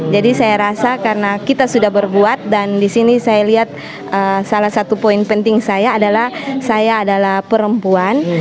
jadi saya rasa karena kita sudah berbuat dan disini saya lihat salah satu poin penting saya adalah saya adalah perempuan